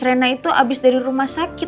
rena itu abis dari rumah sakit